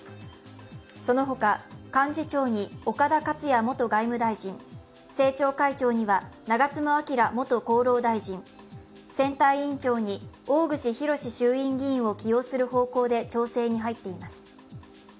そのほか、幹事長に岡田克也元外務大臣政調会長には長妻昭元厚労大臣、選対委員長に大串博志衆院議員を起用する方向で調整に入っています。